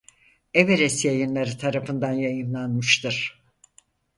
Everest yayınları tarafından yayımlanmıştır.